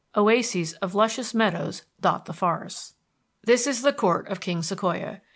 Oases of luscious meadows dot the forests. This is the Court of King Sequoia.